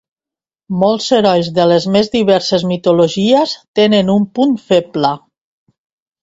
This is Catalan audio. Molts herois de les més diverses mitologies tenen un punt feble.